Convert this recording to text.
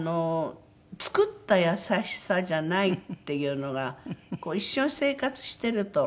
作った優しさじゃないっていうのが一緒に生活してると。